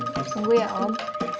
tunggu ya om